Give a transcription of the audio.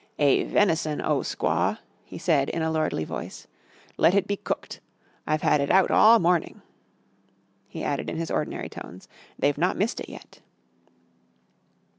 "A venison, O squaw," he said in a lordly voice. "Let it be cooked. I've had it out all morning," he added in his ordinary tones; "they've not missed it yet."